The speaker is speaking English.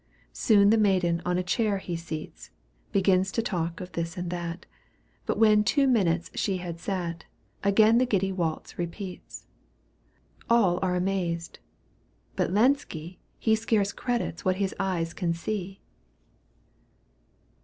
Soon the maid on a chair he seats. Begins to talk of this and that. But when two minutes she had sat, Again the giddy waltz repeats. All are amazed ; but Lenski he Scarce credits what his eyes can see.